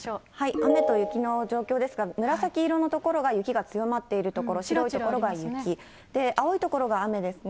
雨と雪の状況ですが、紫色の所が雪が強まっている所、白い所が雪、青い所が雨ですね。